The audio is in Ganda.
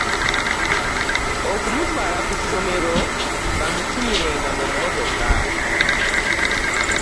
Okumutwala ku ssomero baamukimiranga mu mmotoka.